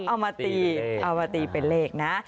เอามาตีเอามาตีเป็นเลขนะ